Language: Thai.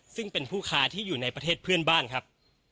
ซึ่งเป็นผู้ค้าที่อยู่ในประเทศเพื่อนบ้านครับ